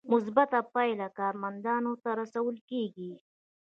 مثبته پایله یې کارمندانو ته رسول کیږي.